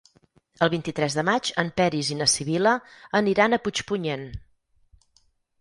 El vint-i-tres de maig en Peris i na Sibil·la aniran a Puigpunyent.